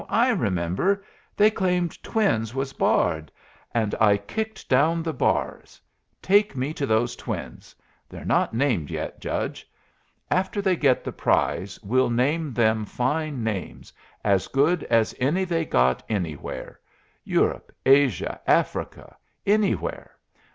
I remember! They claimed twins was barred. And I kicked down the bars. Take me to those twins. They're not named yet, judge. After they get the prize we'll name them fine names, as good as any they got anywhere Europe, Asia, Africa anywhere.